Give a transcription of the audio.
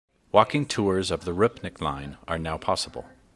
Walking tours of the Rupnik Line are now possible.